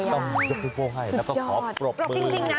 ดังตรงจับพรึงโภ่ให้สุดยอดแล้วก็ขอปรบมือ